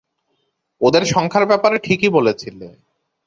ওদের সংখ্যার ব্যাপারে ঠিকই বলেছিলে।